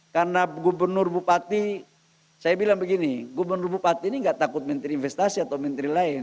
karena gubernur bupati saya bilang begini gubernur bupati ini enggak takut menteri investasi atau menteri lain